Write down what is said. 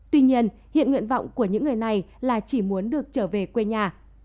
tuy nhiên hiện nguyện vọng của những người này là chỉ muốn được trở về quê nhà